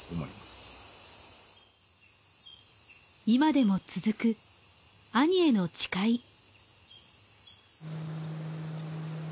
今でも続く兄への誓い。